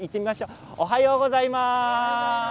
おはようございます。